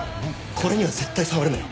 これには絶対触るなよ。